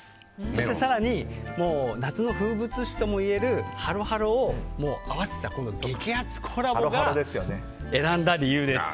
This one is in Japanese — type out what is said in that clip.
そして更に夏の風物詩ともいえるハロハロを合わせたこの激熱コラボが選んだ理由です。